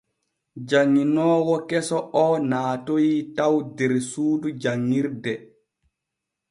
Janŋinoowo keso o naatoy taw der suudu janŋirde.